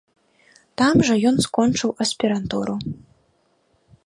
Там жа ён скончыў аспірантуру.